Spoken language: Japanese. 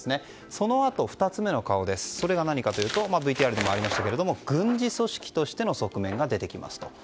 そのあと、２つ目の顔ですがそれは何かというとＶＴＲにもありましたが軍事組織としての側面が出てきます。